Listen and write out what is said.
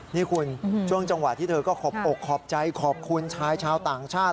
นี่คุณช่วงจังหวะที่เธอก็ขอบอกขอบใจขอบคุณชายชาวต่างชาติ